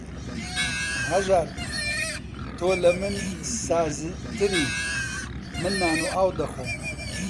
هەژار تۆ لە من سازتری، من نان و ئاو دەخۆم